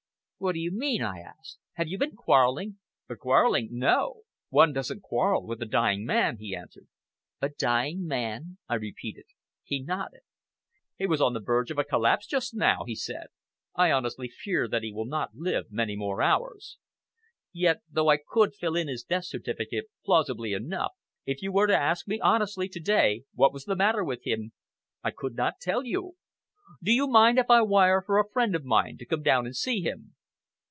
"What do you mean?" I asked. "Have you been quarrelling?" "Quarrelling, no! One doesn't quarrel with a dying man," he answered. "A dying man!" I repeated. He nodded. "He was on the verge of a collapse just now," he said. "I honestly fear that he will not live many more hours. Yet, though I could fill in his death certificate plausibly enough, if you were to ask me honestly to day what was the matter with him, I could not tell you. Do you mind if I wire for a friend of mine to come down and see him?"